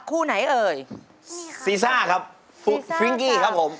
คู่ไหนเอ่ยนี่ครับศีซ่าครับฟริ้งกี้ครับผม